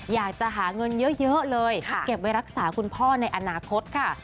อยากจะหาเงินเยอะเลยเก็บไว้รักษาคุณพ่อในอนาคตค่ะ